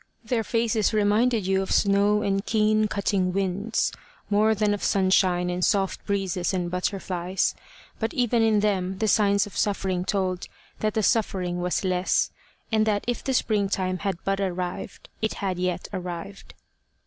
Their faces reminded you of snow and keen cutting winds, more than of sunshine and soft breezes and butterflies; but even in them the signs of suffering told that the suffering was less, and that if the spring time had but arrived, it had yet arrived.